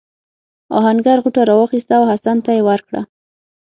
آهنګر غوټه راواخیسته او حسن ته یې ورکړه.